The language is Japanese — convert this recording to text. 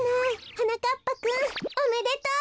はなかっぱくんおめでとう！